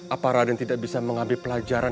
apa raden tidak bisa mengambil pelajaran